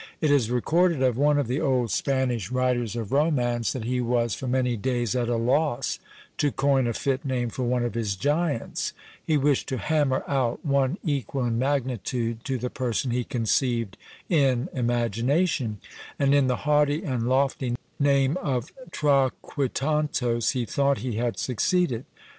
It is recorded of one of the old Spanish writers of romance, that he was for many days at a loss to coin a fit name for one of his giants; he wished to hammer out one equal in magnitude to the person he conceived in imagination; and in the haughty and lofty name of Traquitantos, he thought he had succeeded.